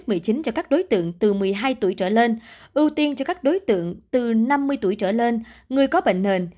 covid một mươi chín cho các đối tượng từ một mươi hai tuổi trở lên ưu tiên cho các đối tượng từ năm mươi tuổi trở lên người có bệnh nền